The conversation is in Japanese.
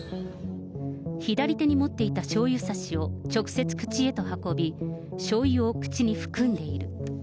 左手に持っていたしょうゆ差しを直接口へと運び、しょうゆを口に含んでいる。